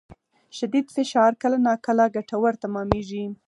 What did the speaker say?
شدید فشار کله ناکله ګټور تمامېږي.